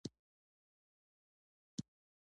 زما جرم څه دی ؟؟